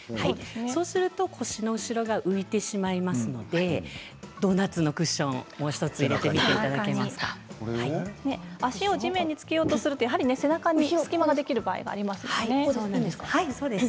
そうすると、腰の後ろが浮いてしまいますのでドーナツのクッションをもう１つ足を地面につけようとすると、背中に隙間ができることがありますね。